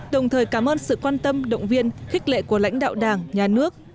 đồng thời cảm ơn sự quan tâm động viên khích lệ của lãnh đạo đảng nhà nước